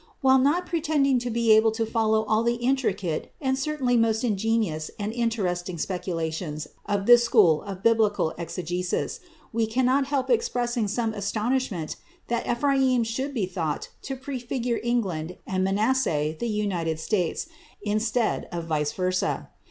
While not pretending to be able to follow all the intricate and certainly most ingenious and interesting speculations of this school of Biblical exegesis, we cannot help expressing some astonishment that Ephraim should be thought to prefigure England and Manasseh the United States, instead of vice versa.